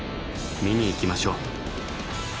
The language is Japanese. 見に行きましょう。